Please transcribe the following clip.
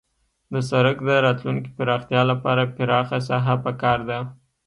د سرک د راتلونکي پراختیا لپاره پراخه ساحه پکار ده